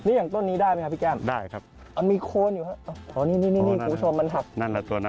นี่อย่างต้นนี้ได้ไหมครับพี่แก้มอ๋อมีโคนอยู่นี่คุณผู้ชมมันขับมันขับไหน